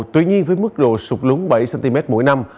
tuy nhiên với mức độ sụt lúng bảy cm mỗi năm